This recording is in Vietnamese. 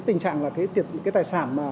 tình trạng là cái tài sản